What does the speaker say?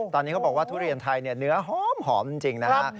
ตอนนี้เขาบอกว่าทุเรียนไทยเนื้อหอมจริงนะฮะ